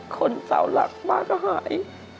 คนเสาหลักป้าก็หาย